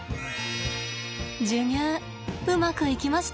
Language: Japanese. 授乳うまくいきました。